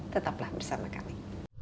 tetaplah bersama kami